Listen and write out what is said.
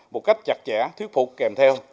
một cách chặt chẽ thuyết phục kèm theo